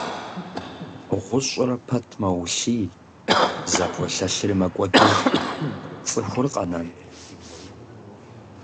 ГъущӀрэ пэт мэулъий, зэполъэлъри мэкӀуэдыж, цӀыхур къэнэн?!